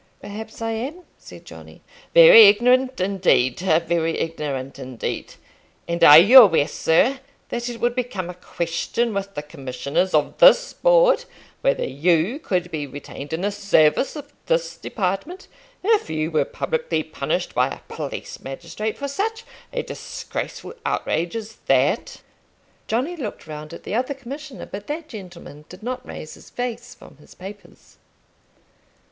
"Perhaps I am," said Johnny. "Very ignorant indeed, very ignorant indeed. And are you aware, sir, that it would become a question with the Commissioners of this Board whether you could be retained in the service of this department if you were publicly punished by a police magistrate for such a disgraceful outrage as that?" Johnny looked round at the other Commissioner, but that gentleman did not raise his face from his papers.